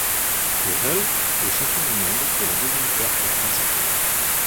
Burrell est champion du monde pour la deuxième fois en trois ans.